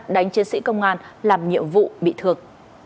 đánh chiến sĩ công an làm nhiệm vụ bị thương